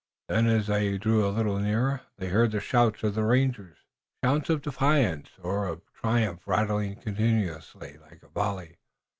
Then, as they drew a little nearer they heard the shouts of the rangers, shouts of defiance or of triumph rattling continuously like a volley.